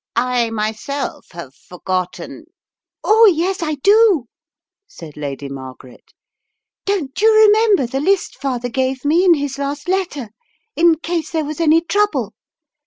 I myself have forgotten " "Oh, yes, I do," said Lady Margaret, "don't you remember the list father gave me in his last letter, in case there was any trouble?